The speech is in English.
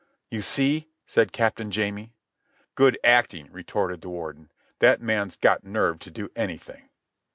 "You see," said Captain Jamie. "Good acting," retorted the Warden. "That man's got nerve to do anything."